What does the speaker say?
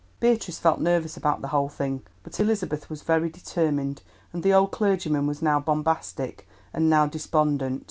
Beatrice felt nervous about the whole thing, but Elizabeth was very determined, and the old clergyman was now bombastic and now despondent.